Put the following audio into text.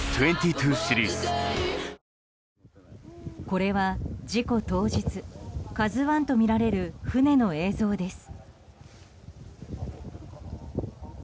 これは、事故当日「ＫＡＺＵ１」とみられる船の映像です。